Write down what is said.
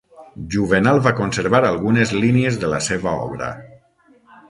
Juvenal va conservar algunes línies de la seva obra.